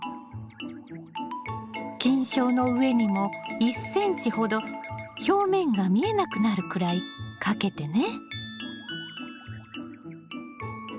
菌床の上にも１ｃｍほど表面が見えなくなるくらいかけてね。